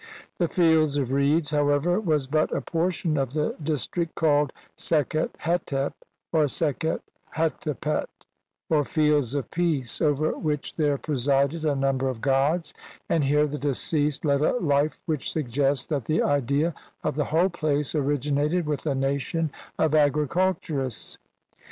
The Field of Reeds, however, was but a portion of the district called "Sekhet Hetep" or "Sekhet Hetepet", or "Fields of Peace", over which there presided a number of gods, and here the deceased led a life which suggests that the idea of the whole place originated with a nation of agriculturists.